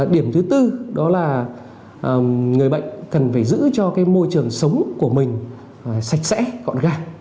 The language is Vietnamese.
điểm thứ tư đó là người bệnh cần phải giữ cho môi trường sống của mình sạch sẽ gọn gàng